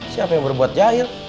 siapa yang berbuat jahil